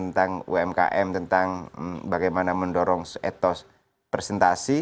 tentang umkm tentang bagaimana mendorong etos presentasi